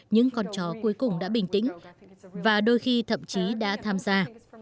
những con chó cuối cùng đã bình tĩnh và đôi khi thậm chí đã tham gia